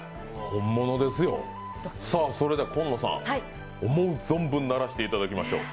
本物ですよ、紺野さん思う存分鳴らしていただきましょう。